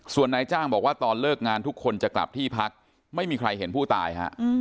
ส่วนนายจ้างบอกว่าตอนเลิกงานทุกคนจะกลับที่พักไม่มีใครเห็นผู้ตายฮะ